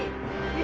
え！